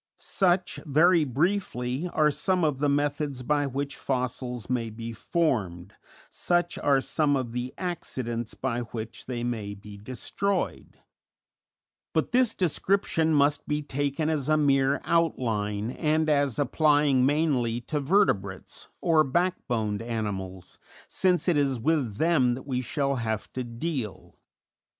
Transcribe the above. Such, very briefly, are some of the methods by which fossils may be formed, such are some of the accidents by which they may be destroyed; but this description must be taken as a mere outline and as applying mainly to vertebrates, or backboned animals, since it is with them that we shall have to deal.